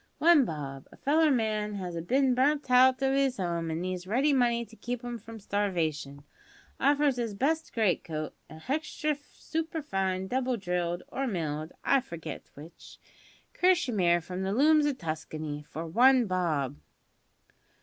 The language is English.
One bob! A feller man as has bin burnt hout of 'is 'ome an' needs ready money to keep 'im from starvation, offers his best great coat a hextra superfine, double drilled (or milled, I forget w'ich) kershimere, from the looms o' Tuskany for one bob!"